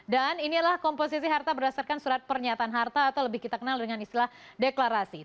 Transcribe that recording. dan inilah komposisi harta berdasarkan surat pernyataan harta atau lebih kita kenal dengan istilah deklarasi